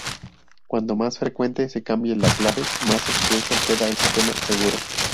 Cuanto más frecuentemente se cambie la clave más expuesto queda el sistema 'seguro'.